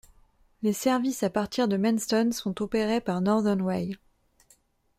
Les services à partir de Menston sont opérés par Northern Rail.